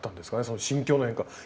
その心境の変化。